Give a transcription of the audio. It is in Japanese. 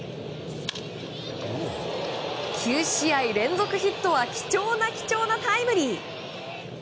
９試合連続ヒットは貴重な貴重なタイムリー。